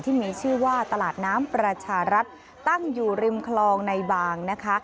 ที่มีชื่อว่าตลาดน้ำประชารัฐตั้งอยู่ริมคลองในบางนะคะ